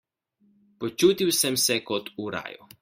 Počutil sem se kot v raju.